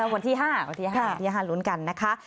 วันที่๕ล้วนกันนะคะ